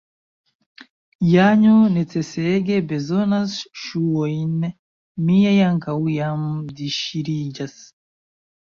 Janjo necesege bezonas ŝuojn, miaj ankaŭ jam disŝiriĝas.